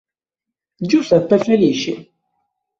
Giuseppe Felici